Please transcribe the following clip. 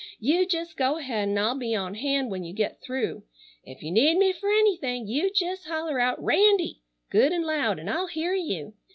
You jest go ahead, and I'll be on hand when you get through. If you need me fer anything you jest holler out 'Randy!' good and loud an' I'll hear you.